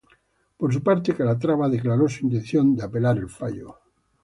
Por su parte, Calatrava declaró su intención de apelar el fallo.